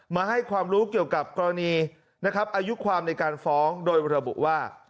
มาให้ความรู้เกี่ยวกับกรณีนะครับอายุความในการฟ้องโดยระบุว่า